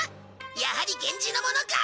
やはり源氏の者か。